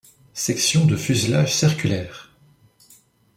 Section de fuselage circulaire.